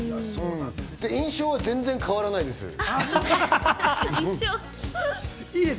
印象は全然変わらないです。